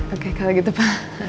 oke kalau gitu pa